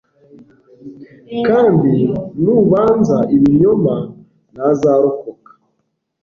kandi n'ubunza ibinyoma ntazarokoka